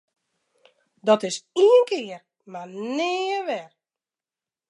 Dat is ien kear mar nea wer!